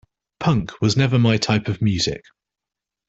Punk was never my type of music.